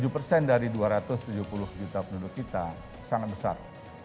tujuh persen dari dua ratus tujuh puluh juta penduduk kita sangat besar